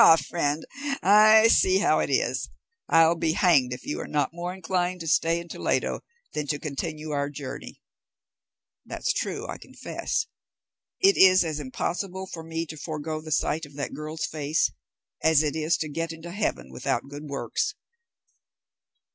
ha! friend, I see how it is, I'll be hanged if you are not more inclined to stay in Toledo than to continue our journey." "That's true, I confess; it is as impossible for me to forego the sight of that girl's face, as it is to get into heaven without good works."